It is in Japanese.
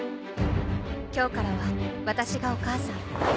今日からはワタシがお母さん。